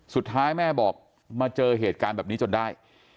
สุดท้ายแม่บอกมาเจอเหตุการณ์แบบนี้จนได้